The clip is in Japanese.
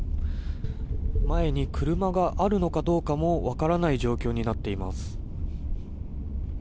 前に車があるのかどうかも分からない状況になっています。